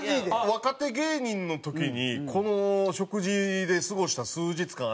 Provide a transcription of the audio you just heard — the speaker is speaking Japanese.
若手芸人の時にこの食事で過ごした数日間ありますし。